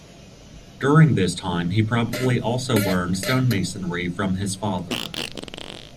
During this time he probably also learned stonemasonry from his father.